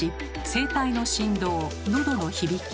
声帯の振動のどの響き